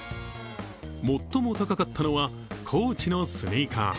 最も高かったのはＣＯＡＣＨのスニーカー。